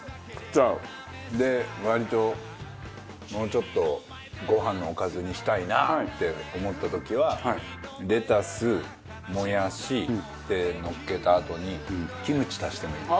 で割ともうちょっとご飯のおかずにしたいなって思った時はレタスもやしのっけたあとにキムチ足してもいい。